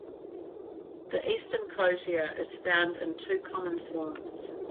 The Eastern crosier is found in two common forms.